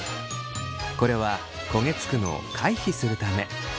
これは焦げつくのを回避するため。